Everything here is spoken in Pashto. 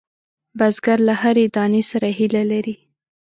بزګر له هرې دانې سره هیله لري